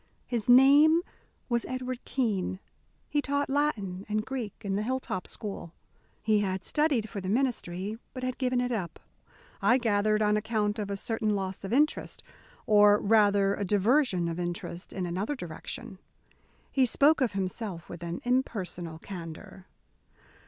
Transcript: His name was Edward Keene; he taught Latin and Greek in the Hilltop School; he had studied for the ministry, but had given it up, I gathered, on account of a certain loss of interest, or rather a diversion of interest in another direction. He spoke of himself with an impersonal candour.